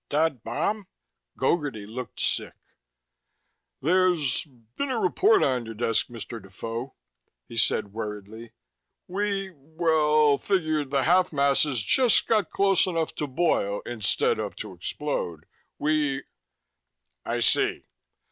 "Dud bomb?" Gogarty looked sick. "There's there's a report on your desk, Mr. Defoe," he said worriedly. "We well figured the half masses just got close enough to boil instead of to explode. We " "I see."